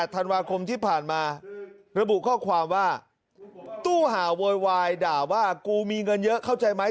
ธันวาคมที่ผ่านมาระบุข้อความว่าตู้ห่าวโวยวายด่าว่ากูมีเงินเยอะเข้าใจไหม